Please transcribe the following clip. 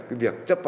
cái việc chấp hành